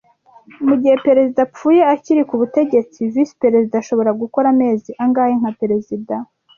Mugihe Perezida apfuye akiri ku butegetsi, Visi-Perezida ashobora gukora amezi angahe nka Perezida